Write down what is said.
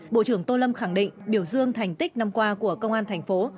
bộ trưởng tô lâm khẳng định biểu dương thành tích năm qua của công an thành phố